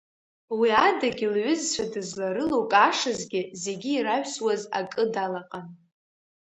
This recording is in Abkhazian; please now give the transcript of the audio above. Уи адагьы лҩызцәа дызларылукаашазгьы зегьы ираҩсуаз акы далаҟан.